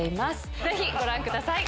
ぜひご覧ください。